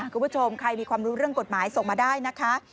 คุณผู้ชมใครมีความรู้เรื่องกฎหมายส่งมาได้นะคะ